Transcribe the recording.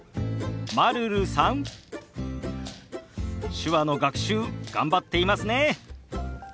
手話の学習頑張っていますね。